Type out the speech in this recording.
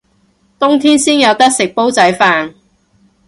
冬天先有得食煲仔飯